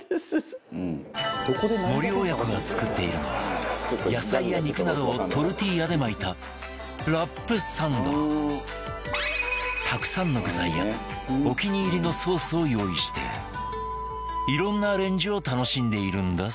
森親子が作っているのは野菜や肉などをトルティーヤで巻いたたくさんの具材やお気に入りのソースを用意して色んなアレンジを楽しんでいるんだそう